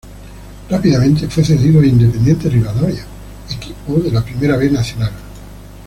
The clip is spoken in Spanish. Rápidamente fue cedido a Independiente Rivadavia, equipo de la Primera B Nacional.